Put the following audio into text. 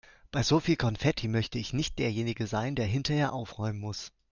Bei so viel Konfetti möchte ich nicht derjenige sein, der hinterher aufräumen muss.